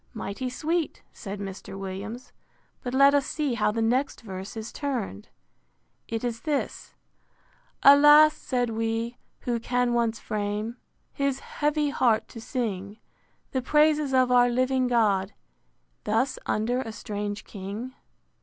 Mighty sweet, said Mr. Williams. But let us see how the next verse is turned. It is this: IV. Alas! said we; who can once frame His heavy heart to sing The praises of our living God, Thus under a strange king?